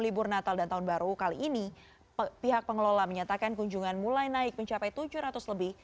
libur natal dan tahun baru kali ini pihak pengelola menyatakan kunjungan mulai naik mencapai tujuh ratus lebih